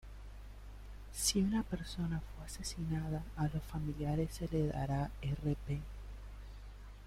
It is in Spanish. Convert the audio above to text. Si una persona fue asesinada a los familiares se le dará Rp.